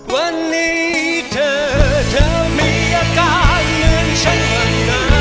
วันนี้เธอเธอมีอาการเหมือนฉันวันนี้